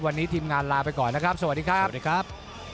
วันนี้ทีมงานลาไปก่อนนะครับสวัสดีครับ